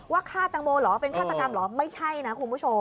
ฆ่าตังโมเหรอเป็นฆาตกรรมเหรอไม่ใช่นะคุณผู้ชม